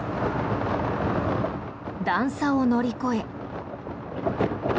段差を乗り越え。